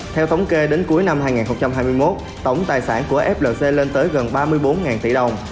theo thống kê đến cuối năm hai nghìn hai mươi một tổng tài sản của flc lên tới gần ba mươi bốn tỷ đồng